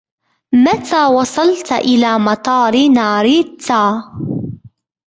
متى وصلت إلى مطار ناريتا ؟